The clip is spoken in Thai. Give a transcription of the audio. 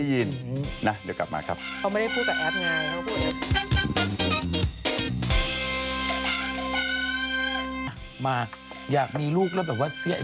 หมายถึงว่าเขาไปทุกวัดก็ญาติเสีย